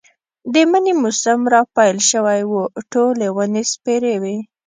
د مني موسم را پيل شوی و، ټولې ونې سپېرې وې.